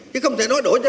chứ không thể nói đổi cho